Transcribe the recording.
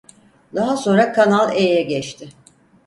Daha sonra Kanal E'ye geçti.